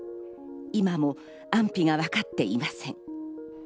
今も安否が分かっていません。